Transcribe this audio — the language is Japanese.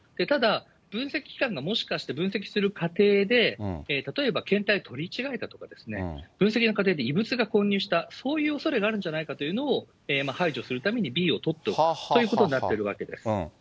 ただ、分析機関がもしかして分析する過程で、例えば検体取り違えたとか、分析の過程で異物が混入した、そういうおそれがあるんじゃないかというのを排除するために、Ｂを取っておくっていうことになっているわけです。